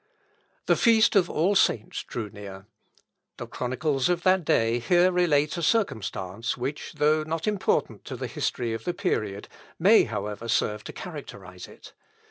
The feast of All Saints drew near. The chronicles of that day here relate a circumstance, which, though not important to the history of the period, may, however, serve to characterise it.